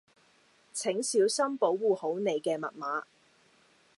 請小心保護好你嘅密碼